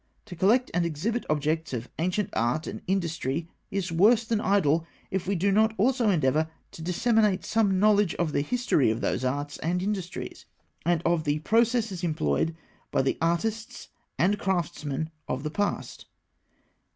To collect and exhibit objects of ancient art and industry is worse than idle if we do not also endeavour to disseminate some knowledge of the history of those arts and industries, and of the processes employed by the artists and craftsmen of the past.